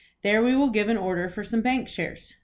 There we will give an order for some bank shares."